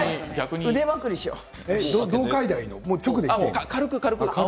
腕まくりをしよう。